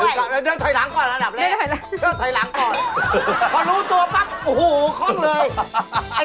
มันไม่ลูกตาด